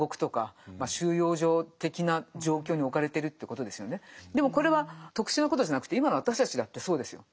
まあ要するにでもこれは特殊なことじゃなくて今の私たちだってそうですよ。